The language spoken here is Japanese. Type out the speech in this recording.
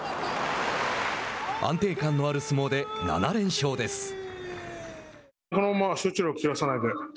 安定感のある相撲で７連勝です。